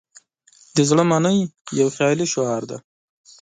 "د زړه منئ" یو خیالي شعار دی.